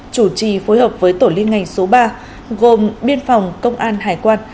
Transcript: chủ trì phối hợp với tổ liên ngành số ba gồm biên phòng công an hải quan